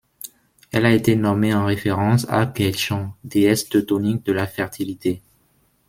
Elle a été nommée en référence à Gertjon, déesse teutonique de la fertilité.